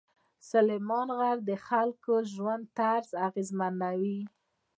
سلیمان غر د خلکو ژوند طرز اغېزمنوي.